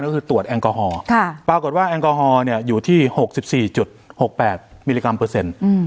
ก็คือตรวจแอลกอฮอล์ค่ะปรากฏว่าแอลกอฮอล์เนี้ยอยู่ที่หกสิบสี่จุดหกแปดมิลลิกรัมเปอร์เซ็นต์อืม